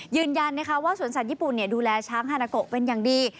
ยืนยันว่าสวนสัตว์ญี่ปุ่นดูแลช้างฮานาโกะเป็นอย่างดี